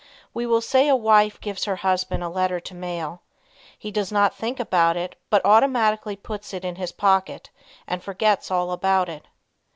We will say a wife gives her husband a letter to mail. He does not think about it, but automatically puts it in his pocket and forgets all about it.